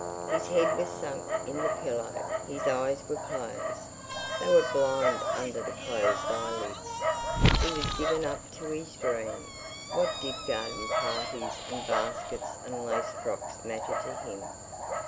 His head was sunk in the pillow, his eyes were closed; they were blind under the closed eyelids. He was given up to his dream. What did garden parties and baskets and lace frocks matter to him?